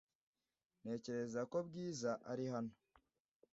Ntekereza ko Bwiza ari hano .